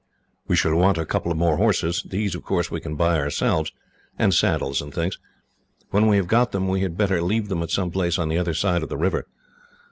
"We shall want a couple more horses. These, of course, we can buy ourselves, and saddles and things. When we have got them, we had better leave them at some place on the other side of the river.